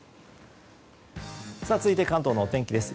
続いて関東の天気です。